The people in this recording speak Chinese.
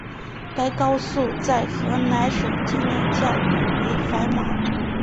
该高速在河南省境内较为繁忙。